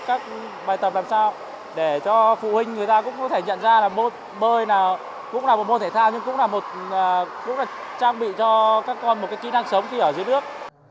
các bài tập làm sao để cho phụ huynh người ta cũng có thể nhận ra là bơi nào cũng là một môn thể thao nhưng cũng là trang bị cho các con một kỹ năng sống ở dưới nước